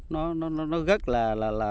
nó rất là